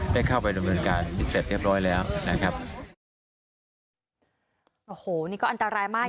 ได้เข้าไปดำเนินการเสร็จเรียบร้อยแล้วนะครับโอ้โหนี่ก็อันตรายมาก